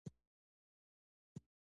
ایا زه باید په هلمند کې اوسم؟